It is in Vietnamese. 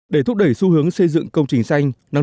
để thúc đẩy xu hướng xây dựng công trình xanh